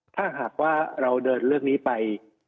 ถ้าหากว่าเราเดินเรื่องนี้ไป